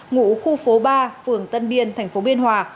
ngủ khu phố ba phường tân biên tp biên hòa